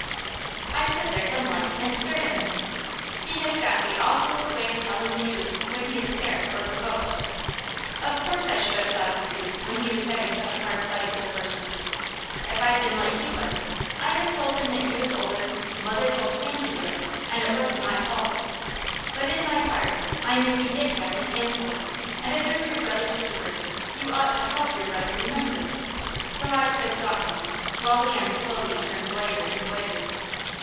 I stood there dumblike and stared at him. He has got the awfulest way of telling the truth when he is scared or provoked. Of course I should have thought of the goose when he was having such a hard fight with the horses. If I'd been like he was, I'd have told him that he was older, mother told HIM to do it, and it wasn't my fault; but in my heart I knew he did have his hands full, and if you're your brother's keeper, you ought to HELP your brother remember. So I stood gawking, while Leon slowly turned whiter and whiter.